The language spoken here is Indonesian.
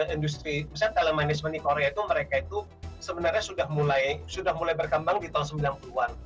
industri misalnya telemenagement di korea itu mereka itu sebenarnya sudah mulai berkembang di tahun sembilan puluh an